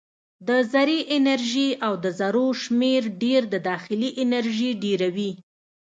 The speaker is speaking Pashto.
د ذرې انرژي او ذرو شمیر ډېر د داخلي انرژي ډېروي.